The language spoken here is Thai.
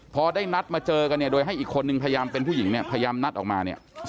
พอได้นัดมาเจอกันเนี่ยโดยให้อีกคนนึงพยายามเป็นผู้หญิงเนี่ยพยายามนัดออกมาเนี่ย